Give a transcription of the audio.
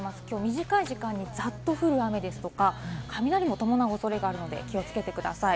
短い時間にざっと降る雨ですとか、雷もともなう恐れがあるので気をつけてください。